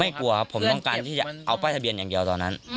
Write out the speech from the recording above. กลัวครับผมต้องการที่จะเอาป้ายทะเบียนอย่างเดียวตอนนั้น